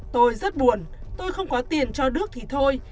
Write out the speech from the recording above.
tôi rất buồn tôi không có tiền cho đức thì thôi